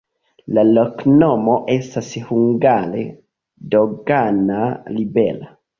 La loknomo estas hungare: dogana-libera.